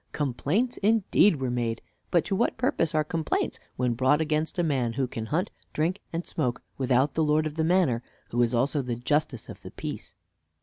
Complaints indeed were made, but to what purpose are complaints, when brought against a man who can hunt, drink, and smoke, without the lord of the manor, who is also the justice of peace?